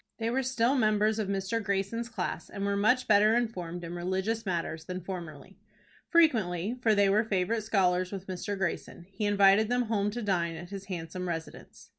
They were still members of Mr. Greyson's class, and were much better informed in religious matters than formerly. Frequently for they were favorite scholars with Mr. Greyson he invited them home to dine at his handsome residence.